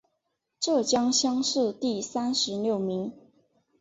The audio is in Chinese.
浙江乡试第三十六名。